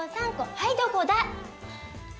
はいどこだ？